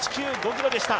ｋｍでした。